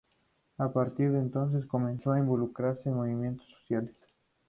A partir de entonces, comenzó a involucrarse en movimientos sociales.